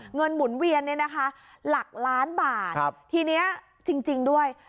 เงินหมุนเวียนเนี่ยนะคะหลักล้านบาทครับทีนี้จริงจริงด้วย